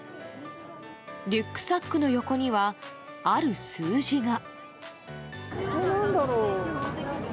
リュックサックの横にはある数字が。